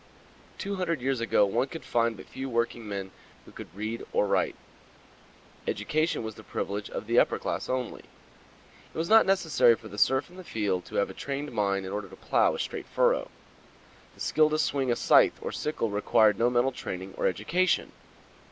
Two hundred years ago one could find but few workingmen who could read or write. Education was the privilege of the upper class only. It was not necessary for the serf in the field to have a trained mind in order to plow a straight furrow. The skill to swing a scythe or sickle required no mental training or education.